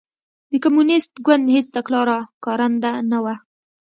د کمونېست ګوند هېڅ تګلاره کارنده نه وه.